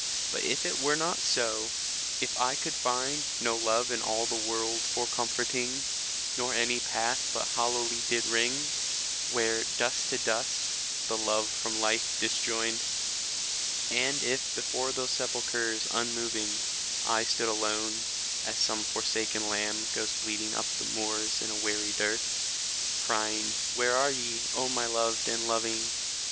But if it were not so, — if I could find No love in all the world for comforting, Nor any path but hollowly did ring, Where "dust to dust"the love from life disjoined And if before those sepulchres unmoving I stood alone (as some forsaken lamb Goes bleating up the moors in weary dearth), Crying, " Where are ye, O my loved and loving?"